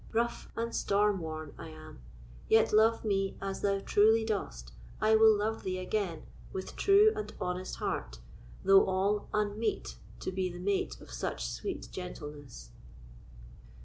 Rough and storm worn I am; yet love me as Thou truly dost, I will love thee again With true and honest heart, though all unmeet To be the mate of such sweet gentleness.